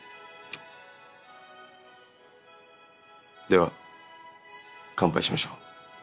では乾杯しましょう。